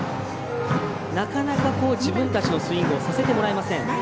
なかなか、自分たちのスイングをさせてもらえません。